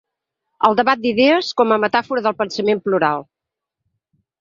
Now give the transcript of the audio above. El debat d’idees com a metàfora del pensament plural.